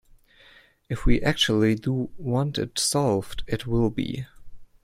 If we actually do want it solved, it will be.